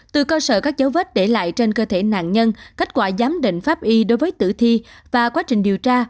từ cơ sở các dấu vết để lại trên cơ thể nạn nhân kết quả giám định pháp y đối với tử thi và quá trình điều tra